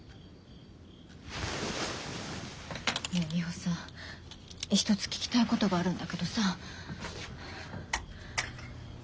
ねぇミホさん一つ聞きたいことがあるんだけどさ。